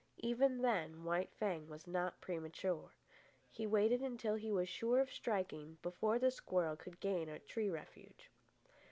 Even then, White Fang was not premature. He waited until he was sure of striking before the squirrel could gain a tree refuge.